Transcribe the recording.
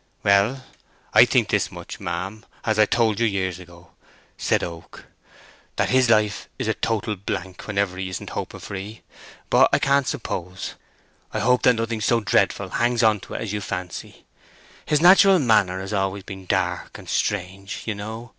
"Well, I think this much, ma'am, as I told you years ago," said Oak, "that his life is a total blank whenever he isn't hoping for 'ee; but I can't suppose—I hope that nothing so dreadful hangs on to it as you fancy. His natural manner has always been dark and strange, you know.